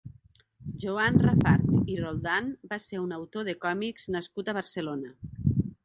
Joan Rafart i Roldán va ser un autor de còmics nascut a Barcelona.